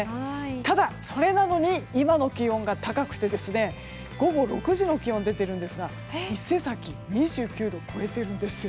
ただ、それなのに今の気温が高くて午後６時の気温が出ているんですが伊勢崎２９度を超えているんですよ。